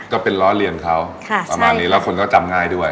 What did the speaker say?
ก็เป็นล้อเลียนเขาประมาณนี้แล้วคนก็จำง่ายด้วย